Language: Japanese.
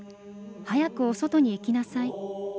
「早くお外に行きなさい」。